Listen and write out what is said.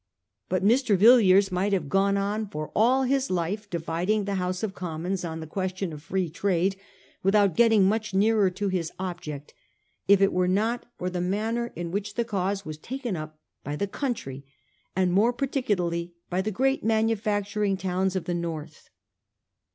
But Mr. Yilliers might have gone on for all his life dividing the House of Commons on the question of Free Trade, without getting much nearer to his object, if it were not for the manner in which the cause was taken up by the country, and more particularly by the great manufac turing towns of the North.